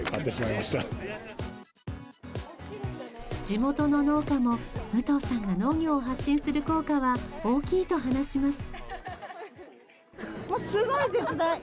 地元の農家も武藤さんが農業を発信する効果は大きいと話します